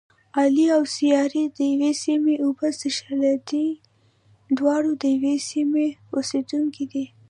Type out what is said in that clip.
علي او سارې دیوې سیمې اوبه څښلې دي. دواړه د یوې سیمې اوسېدونکي دي.